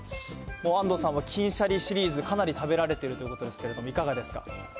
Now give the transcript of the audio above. もう、安藤さん、金しゃりシリーズ、かなり食べられているということで、いかがですか？